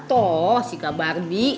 toh sika barbie